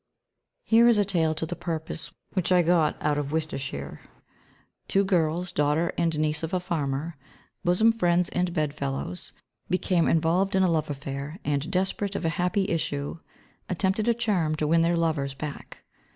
Here is a tale to the purpose which I got out of Worcestershire. Two girls, daughter and niece of a farmer, bosom friends and bed fellows, became involved in a love affair and, desperate of a happy issue, attempted a charm to win their lovers back.